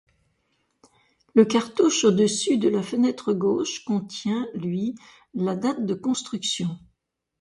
Le cartouche au dessus de la fenêtre gauche contient lui la date de construction.